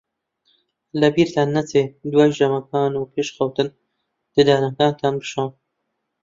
لەبیرتان نەچێت دوای ژەمەکان و پێش خەوتن ددانەکانتان بشۆن.